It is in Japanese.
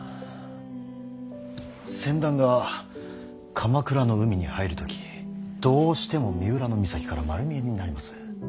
船団が鎌倉の海に入る時どうしても三浦の岬から丸見えになります。